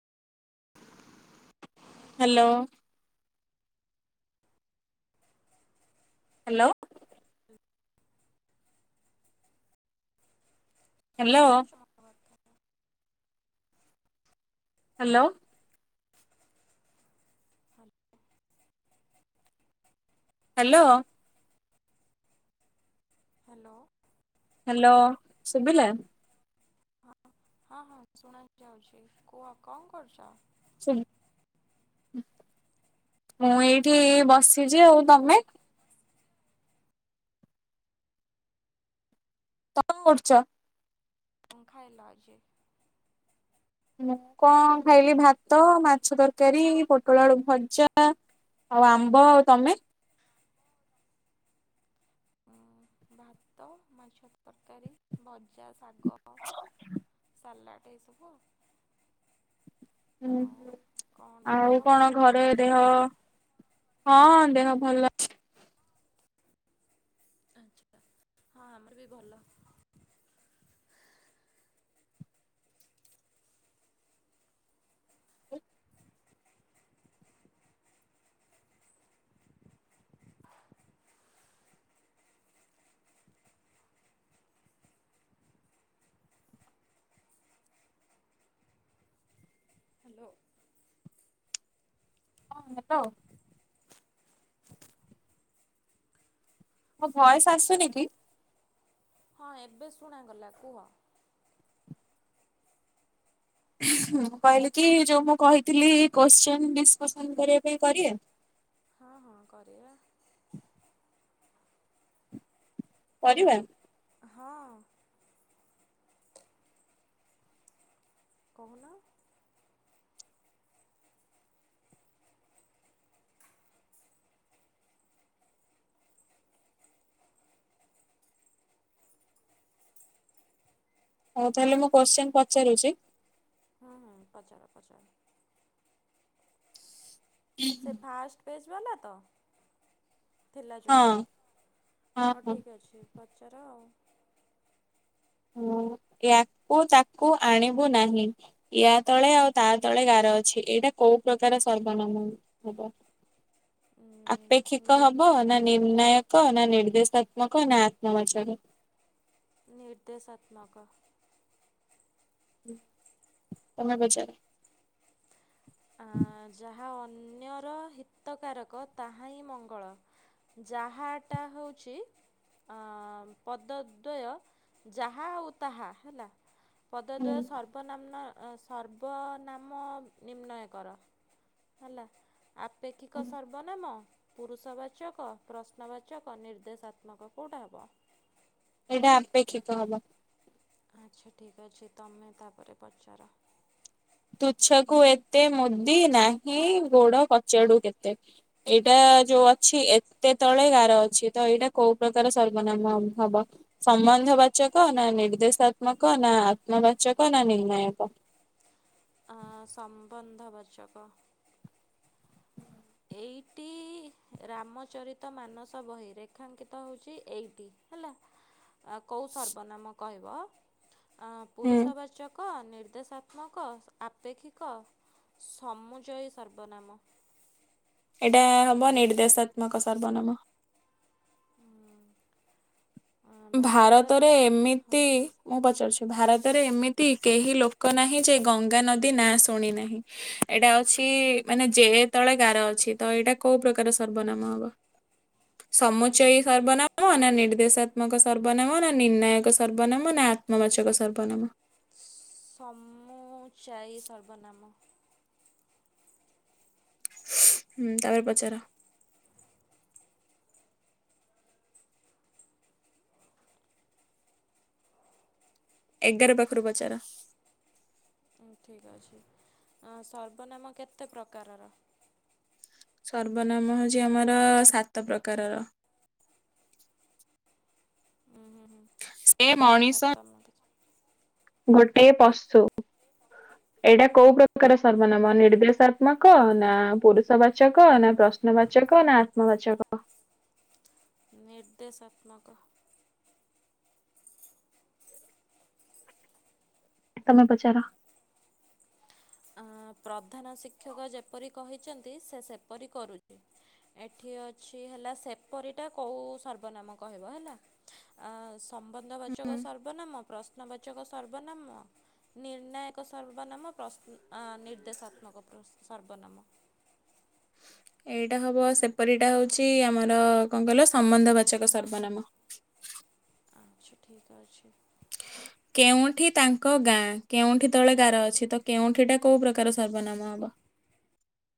Hello hello ଶୁଣି hello ପାରୁଛ? Hello ହାଲ- ହ୍ୟାଲୋ ହ୍ୟାଲୋ ହ୍ୟାଲୋ ସୁଭିଲା? ହଁ ହଁ ହଁ ଶୁଣା ଯାଉଛି କୁହ କଣ କରୁଛ? ମୁଁ ଏଇଠି ବସିଛି ଆଉ ତମେ? ତମେ କରୁଛ? ପଙ୍ଖା ହେଲା ଯେ ମୁଁ କଣ ଖାଇଲି ଭାତ ମାଛ ତରକାରୀ ପୋଟଳଡୁ ଭଜା। ଆଉ ଆମ୍ବ ଆଉ ତମେ? ଭାତ ମାଛ ତରକାରୀ। ଭଜା ଶାଗ ସାଲାଟ ଏସବୁ। ହୁଁ ଆଉ କ'ଣ ଦେହ ଆଉ କଣ ଭଲ ସବୁ ଘରେ ଦେହ ହଁ ଦେହ ଭଲ ଆଛା ହଁ ଆମର ବି ଭଲ। ହ୍ୟାଲୋ ହଁ ହେଲୋ ମୋ ଭୟସ ଆସୁନି କି? ହଁ ଏବେ ଶୁଣାଗଲା କୁହ? ମୁ କହିଲି କି ଯୋଉ ମୁଁ କହିଥିଲି କୋଶ୍ଚନ ଡିସକସନ କରିବା ପାଇଁ କରିବା। ହଁ ହଁ କରିବା। ପରିବା? ହଁ। କହୁନ? ହଉ ତାହେଲେ ମୁଁ କୋଶ୍ଚିନ ପଚାରୁଛି। ହଁ ପଚାର ପଚାର। ସେ ଫାଷ୍ଟ ପେଜ ବାଲା ତ? ଥିଲା ହଁ ଯୋଉଟା ହଁ ହଁ ହଉ ଠିକ୍ ଅଛି ପଚାର ଆଉ। ହୁଁ ୟାକୁ ତାକୁ ଆଣିବୁ ନାହିଁ। ୟା ତଳେ ଆଉ ତା ତଳେ ଗାର ଅଛି ଏଇଟା କୋଉ ପ୍ରକାର ସର୍ବନାମ ହବ? ଉଁ, ଆପେକ୍ଷିକ ନିଟ୍ ହବ ନା ନିର୍ଣ୍ଣାୟକ ନା ନିର୍ଦ୍ଦେଶାତ୍ମକ ନା ଆତ୍ମବାଚକ? ନିର୍ଦ୍ଦେଶାତ୍ମକ। ହୁଁ ତମେ ପଚାର। ଆଁ ଯାହା ଅନ୍ୟର ହିତକାରକ ତାହା ହିଁ ମଙ୍ଗଳ। ଯାହା ଟା ହଉଛି। ପଦୋଦ୍ବୟ ଯାହା ଆଉ ତାହା ହେଲା। ହୁଁ। ପଦୋଦ୍ୱୟ ସର୍ବନାମ୍ନ ଅ ସର୍ବନାମ ନିମ୍ନୟ। କର ହେଲା ଆପେକ୍ଷିକ ସ ର୍ବନାମ ପୁରୁଷବାଚକ ପ୍ରଶ୍ନବାଚକ ନିର୍ଦ୍ଦେଶାତ୍ମକ କୋଉଟା ହବ? ଏଇଟା ଆପେକ୍ଷିକ ହବ। ଆଚ୍ଛା ଠିକ୍ ଅଛି ତମେ ତାପରେ ପଚାର। ତୁଛକୁ ଏତେ ମୁଦି ନାହିଁ ଗୋଡ କଚାଡୁ କେତେ। ଏଇଟା ଯୋଉ ଅଛି ଏତେ ତଳେ ଗାର ଅଛି ତ ଏଇଟା କୋଉ ପ୍ରକାର ସର୍ବନାମ ହବ? ସମ୍ବନ୍ଧବାଚକ ନା ନିର୍ଦ୍ଦେଶାତ୍ମକ ନା ଆତ୍ମବାଚକ ନା ନିର୍ଣ୍ଣାୟକ? ଆଁ ସମ୍ବନ୍ଧବାଚକ। ଏଇଟି ରାମଚରିତ ମାନସ ବହି ରେଖାଙ୍କିତ ହଉଚି ଏଇଟି ହେଲା। ଆ କୋଉ ସର୍ବନାମ କହିବ ଆଁ ଆଁ ହୁଁ। ପୁରୁଷବାଚ କ ନିର୍ଦ୍ଦେଶାତ୍ମକ ଆପେକ୍ଷିକ ସମୁଜୟୀ ସର୍ବନାମ। ଏଇଟା ହବ ନିର୍ଦ୍ଦେଶାତ୍ମକ ସର୍ବନାମ। ଉଁ ଭାରତର ଭାରତରେ ହଁ ଏମିତି। ମୁଁ ପଚାରୁଛି ଭାରତରେ ଏମିତି କେହି ଲୋକ ନାହିଁ ଯେ ଗଙ୍ଗା ନଦୀ ନାଁ ଶୁଣି ନାହିଁ। ଏଇଟା ଅଛି ମାନେ ଯେ ତଳେ ଗାର ଅଛି ତ ଏଇଟା କୋଉ ପ୍ରକାର ସର୍ବନାମ ହବ? ଉଁ ସମୁଚୟୀ ସର୍ବନାମ ନା ନିର୍ଦ୍ଦେଶା ତ୍ମକ ସର୍ବନାମ ନା ନିର୍ଣ୍ଣାୟକ ସର୍ବନାମ ନା ଆତ୍ମବାଚକ ସର୍ବନାମ। ସମୁଚାଇ ସର୍ବନାମ। ହୁଁ ତାପରେ ପଚାର। ଏଗାର ପାଖୁରୁ ପଚାର। ଉଁ ଠିକ୍ ଅଛି ଅଁ ସର୍ବନାମ କେତେ ପ୍ରକାରର? ସର୍ବନାମ ହଉଛି ଆମର ସାତ ପ୍ରକାରର। ହୁଁ ହୁଁ ହୁଁ। ଏ ମଣିଷ ତାପରେ ତମ ଗୋଟେ ପଶୁ। ଏଇଟା କୋଉ ପ୍ରକାର ସର୍ବନାମ ନିର୍ଦ୍ଦେଶାତ୍ମକ ନା ପୁରୁଷବାଚକ ନା ପ୍ର ଶ୍ନବାଚକ ନା ଆତ୍ମବାଚକ? ନିର୍ଦ୍ଦେଶାତ୍ମକ। ଏ ତମେ ପଚାର। ଆଁ ପ୍ରଧାନ ଶିକ୍ଷକ ଯେପରି କହିଛନ୍ତି ସେ ସେପରି କରୁଛି। ଏଠି ଅଛି ହେଲା ସେପରିଟା କୋଉ ସର୍ବନାମ କହିବ ହେଲା। ଅ ସମ୍ବନ୍ଧ ହୁଁ ବାଚକ ସର୍ବନାମ ପ୍ରଶ୍ନବାଚକ ସର୍ବନାମ ନିର୍ଣ୍ଣାୟକ ସର୍ବନାମ ପ୍ରଶ୍ନ ଅ ନିର୍ଦ୍ଦେଶାତ୍ମକ ସର୍ବନାମ। ଏଇଟା ହବ ସେପରିଟା ହଉଛି ଆମର କଣ କହିଲ ସମ୍ବନ୍ଧବାଚକ ସର୍ବନାମ। ଆଚ୍ଛା ଠିକ୍ ଅଛି। କେଉଁଠି ତାଙ୍କ ଗାଁ କେଉଁଠି ତଳେ ଗାର ଅଛି ତ କେଉଁଠିଟା କୋଉ ପ୍ରକାର ସର୍ବନାମ ହବ?